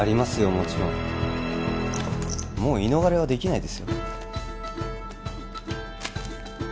もちろんもう言い逃れはできないですよ？